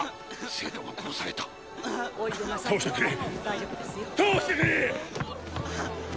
生徒が殺された通してくれ通してくれ！